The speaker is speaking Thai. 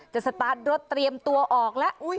จะสตาร์ทรถเตรียมตัวออกละ